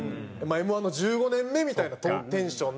Ｍ−１の１５年目みたいなテンションで。